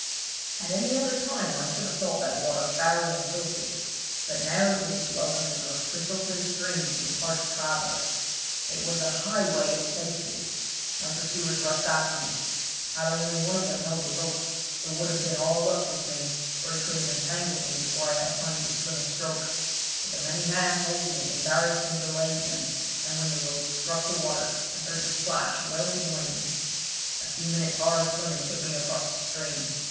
At any other time I should have thought that water foul and filthy, but now it was as welcome as the most crystal stream to the parched traveller. It was a highway of safety! My pursuers rushed after me. Had only one of them held the rope it would have been all up with me, for he could have entangled me before I had time to swim a stroke; but the many hands holding it embarrassed and delayed them, and when the rope struck the water I heard the splash well behind me. A few minutes' hard swimming took me across the stream.